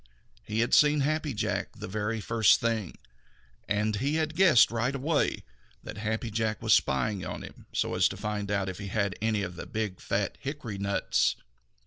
He had seen Happy Jack the very first thing, and he had guessed right away that Happy Jack was spying on him so as to find out if he had any of the big, fat hickory nuts.